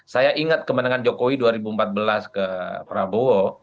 saya ingat kemenangan jokowi dua ribu empat belas ke prabowo